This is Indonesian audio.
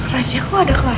raja aku ada kemana mana